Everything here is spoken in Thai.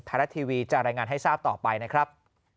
ไทยรัฐทีวีจะรายงานให้ทราบต่อไปนะครับ